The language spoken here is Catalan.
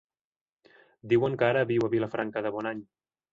Diuen que ara viu a Vilafranca de Bonany.